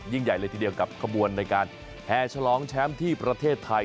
ใหญ่เลยทีเดียวกับขบวนในการแห่ฉลองแชมป์ที่ประเทศไทย